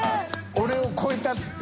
俺を超えた」って言って。